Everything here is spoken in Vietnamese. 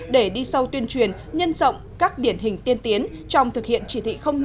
để đi sâu tuyên truyền nhân rộng các điển hình tiên tiến trong thực hiện chỉ thị năm